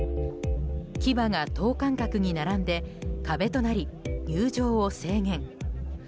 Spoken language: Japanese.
騎馬が等間隔に並んで壁となり入場を制限。